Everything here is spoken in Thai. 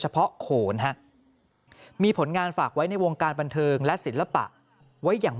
เพาะโขนฮะมีผลงานฝากไว้ในวงการบันเทิงและศิลปะไว้อย่าง